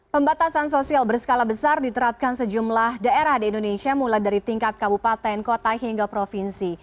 pembatasan sosial berskala besar diterapkan sejumlah daerah di indonesia mulai dari tingkat kabupaten kota hingga provinsi